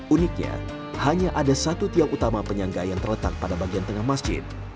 uniknya hanya ada satu tiang utama penyangga yang terletak pada bagian tengah masjid